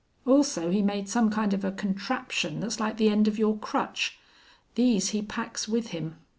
Also, he made some kind of a contraption that's like the end of your crutch. These he packs with him.